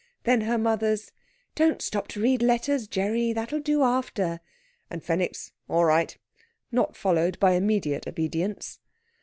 Then her mother's "Don't stop to read letters, Gerry that'll do after," and Fenwick's "All right!" not followed by immediate obedience.